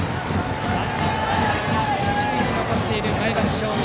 ワンアウトランナー、一塁となった前橋商業。